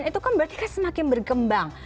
itu kan berarti kan semakin berkembang